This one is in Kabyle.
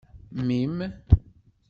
Mmi-m.